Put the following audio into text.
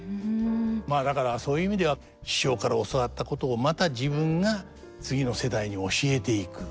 まあだからそういう意味では師匠から教わったことをまた自分が次の世代に教えていく。